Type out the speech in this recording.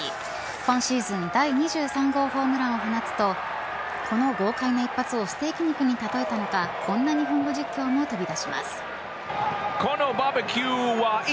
今シーズン第２３号ホームランを放つとこの豪快な一発をステーキ肉に例えたのかこんな日本語実況も飛び出します。